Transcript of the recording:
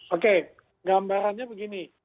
oke gambarannya begini